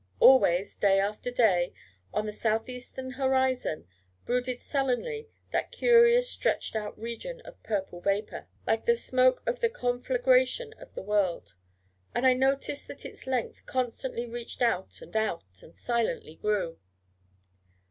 Always day after day on the south eastern horizon, brooded sullenly that curious stretched out region of purple vapour, like the smoke of the conflagration of the world. And I noticed that its length constantly reached out and out, and silently grew.